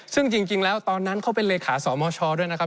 ซึ่งจริงแล้วตอนนั้นเขาเป็นเลขาสมชด้วยนะครับ